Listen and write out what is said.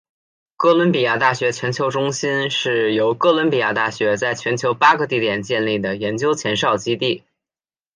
哥伦比亚大学全球中心是由哥伦比亚大学在全球八个地点建立的研究前哨基地。